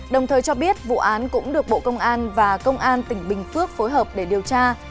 đồng thời cho biết vụ án cũng được bộ công an và công an tỉnh bình phước phối hợp để điều tra